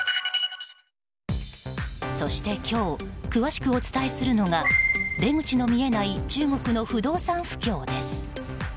そして、今日詳しくお伝えするのが出口の見えない中国の不動産不況です。